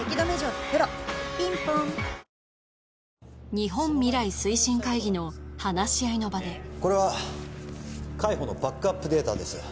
日本未来推進会議の話し合いの場でこれは海保のバックアップデータです